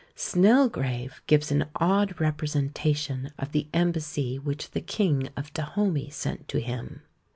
Snelgrave gives an odd representation of the embassy which the king of Dahomy sent to him.